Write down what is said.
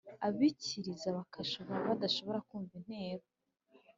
abikiriza bakaba badashobora kumva intero?